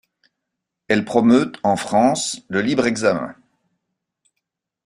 Elle promeut, en France, le libre examen.